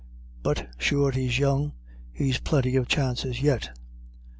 But sure he's young he's plenty of chances yet."